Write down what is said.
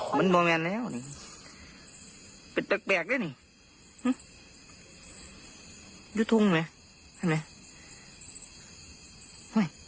หลวนกูได้มั้ย